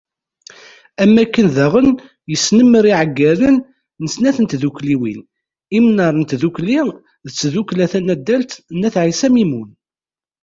Am wakken daɣen yesnemmer iɛeggalen n snat n tdukkliwin Imnar n Tdukli d tdukkla tanaddalt n At Ɛissa Mimun.